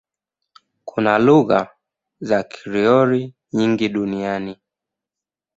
Kuna lugha za Krioli nyingi duniani.